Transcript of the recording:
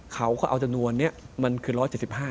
เขาก็เอาจำนวนนี้ไปเป็น๑๗๕